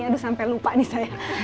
aduh sampai lupa nih saya